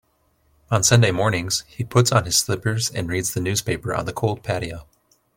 On Sunday mornings, he puts on his slippers and reads the newspaper on the cold patio.